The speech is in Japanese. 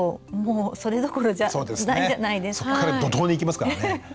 そっから怒とうでいきますからね。